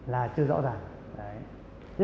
là chưa rõ ràng